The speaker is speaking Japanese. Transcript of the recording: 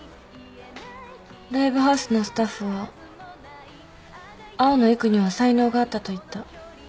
ライブハウスのスタッフは「青野郁には才能があった」と言った。